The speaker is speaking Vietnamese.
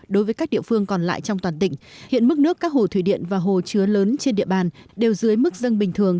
đối với các địa phương còn lại trong toàn tỉnh hiện mức nước các hồ thủy điện và hồ chứa lớn trên địa bàn đều dưới mức dân bình thường